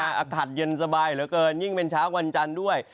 อากาศเย็นสบายเหลือเกินยิ่งเป็นเช้าวันจันทร์ด้วย